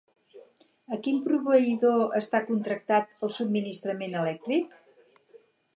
A quin proveïdor està contractat el subministrament elèctric?